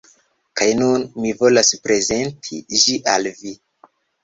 Kaj nun, mi volas prezenti ĝi al vi.